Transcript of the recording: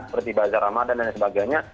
seperti bajar ramadan dan sebagainya